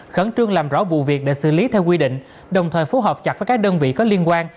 khẩn trương làm rõ vụ việc để xử lý theo quy định đồng thời phù hợp chặt với các đơn vị có liên quan